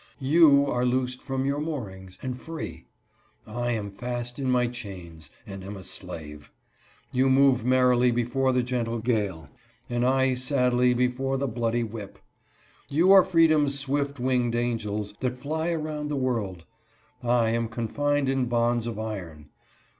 " You are loosed from your moorings, and free. I am fast in my chains, and am a slave ! You move merrily THOUGHTS OF FREEDOM. 153 before the gentle gale, and I sadly before the bloody whip. You are freedom's swift winged angels, that fly around the world ; I am confined in bonds of iron.